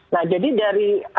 nah jadi dari